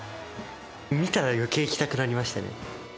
見たらよけい行きたくなりましたね。